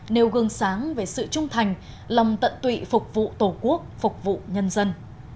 nêu gương sáng về sự trung thành lòng tận tụy phục vụ tổ quốc phục vụ nhân dân